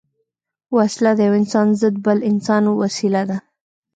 وسله د یو انسان ضد بل انسان وسيله ده